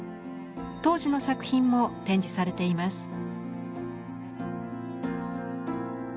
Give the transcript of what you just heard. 当時の作品も展示されています。